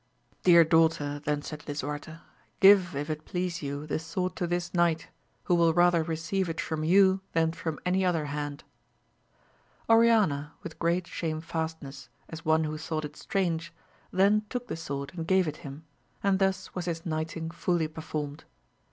Dear daughter, then said lisuarte, give if it please you the sword to this knight, who will rather receive it from you than from any other hand. Oriana with great shamefastness, as one who thought it strange, then took the sword and gave it him, and tiiins was his knighting fully performed.